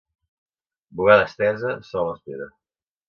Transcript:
Bugada estesa, sol espera.